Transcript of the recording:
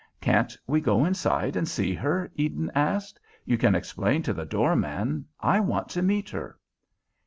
"Can't we go inside and see her?" Eden asked. "You can explain to the door man. I want to meet her."